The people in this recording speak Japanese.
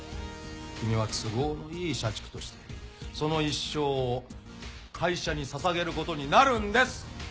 君は都合のいい社畜としてその一生を会社にささげることになるんです！